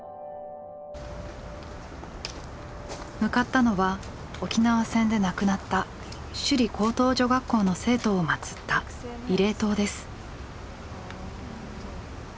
向かったのは沖縄戦で亡くなった首里高等女学校の生徒をまつった慰霊塔です。